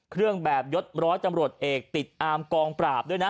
เครื่องแบบยศร้อยตำรวจเอกติดอามกองปราบด้วยนะ